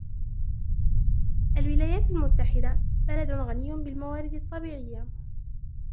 الولايات المتحدة بلد غني بالموارد الطبيعية.